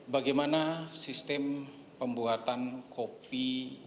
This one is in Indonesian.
bagaimana sistem pembuatan kopi